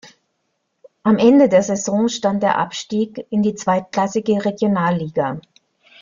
Am Ende der Saison stand der Abstieg in die zweitklassige Regionalliga.